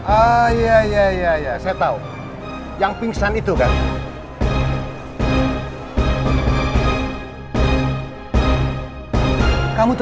ayah ya saya tahu yang pingsan itu kan